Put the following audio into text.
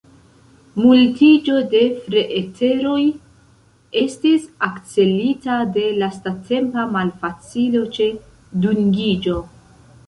Multiĝo de freeter-oj estis akcelita de lastatempa malfacilo ĉe dungiĝo.